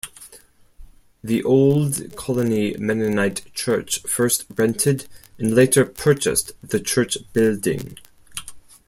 The Old Colony Mennonite Church first rented, and later purchased the church building.